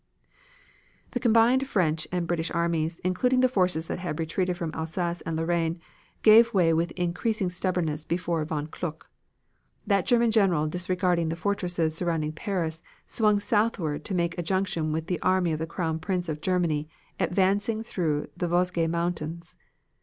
The combined French and British armies, including the forces that had retreated from Alsace and Lorraine, gave way with increasing stubbornness before von Kluck. That German general disregarding the fortresses surrounding Paris, swung southward to make a junction with the Army of the Crown Prince of Germany advancing through the Vosges Mountains.